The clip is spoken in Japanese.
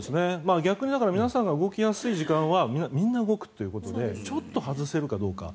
逆に皆さんが動きやすい時間はみんな動くということでちょっと外せるかどうか。